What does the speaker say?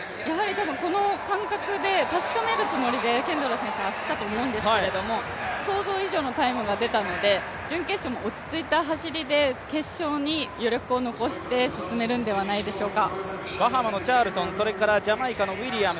この感覚で確かめるつもりでケンドラ選手、走ったつもりだと思うんですが想像以上のタイムが出たので準決勝も落ち着いた走りで決勝に余力を残して進めるのではないでしょうか。